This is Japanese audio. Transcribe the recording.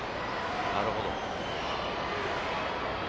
なるほど。